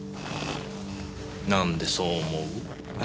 なんでそう思う？